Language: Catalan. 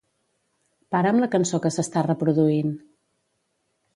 Para'm la cançó que s'està reproduint.